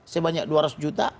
sebanyak dua ratus juta